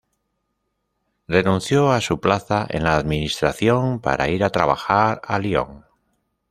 Renunció a su plaza en la administración para ir a trabajar a Lyon.